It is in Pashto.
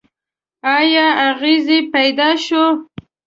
ایا اغزی پیدا شو.